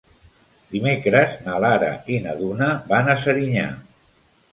Dimecres na Lara i na Duna van a Serinyà.